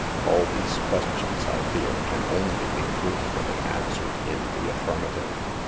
All these questions, I fear, can only be truthfully answered in the affirmative.